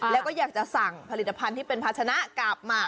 แล้วก็อยากจะสั่งผลิตภัณฑ์ที่เป็นภาชนะกลับมา